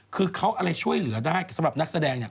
คือเขาอะไรช่วยเหลือได้สำหรับนักแสดงเนี่ย